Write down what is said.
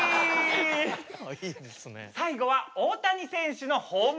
最後は大谷選手のホームランを見よう。